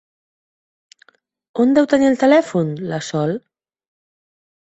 On deu tenir el telèfon, la Sol?